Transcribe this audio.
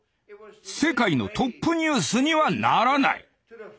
世界のトップニュースにはならない。